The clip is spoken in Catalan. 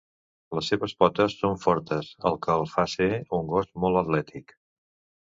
Les seves potes són fortes el que el fa ser un gos molt atlètic.